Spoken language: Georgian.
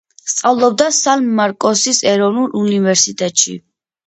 სწავლობდა სან-მარკოსის ეროვნულ უნივერსიტეტში.